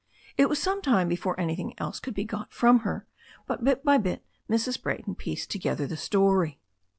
It was some time before anything else could be got from her, but bit by bit Mrs. Brayton pieced together the story.